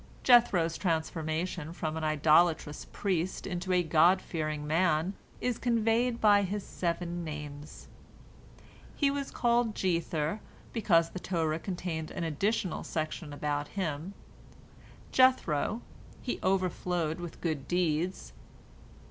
Jethro's transformation from an idolatrous priest into a God fearing man is conveyed by his seven names. He was called Jether, because the Torah contains an "additional" section about him; Jethro, he "overflowed" with good deeds.